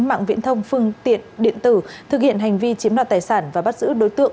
mạng viễn thông phương tiện điện tử thực hiện hành vi chiếm đoạt tài sản và bắt giữ đối tượng